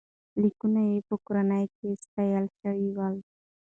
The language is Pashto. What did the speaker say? لیکونو یې په کورنۍ کې ستایل شول.